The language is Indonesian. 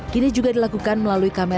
kini juga dilakukan melalui kamera